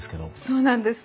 そうなんです。